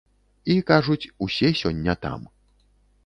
І, кажуць, усе сёння там.